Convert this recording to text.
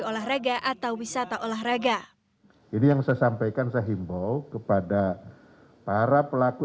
olahraga atau wisata olahraga ini yang saya sampaikan saya himbau kepada para pelaku